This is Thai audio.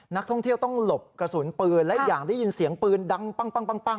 นักท่องเที่ยวต้องหลบกระสุนปืนและอีกอย่างได้ยินเสียงปืนดังปั้ง